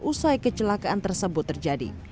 usai kecelakaan tersebut terjadi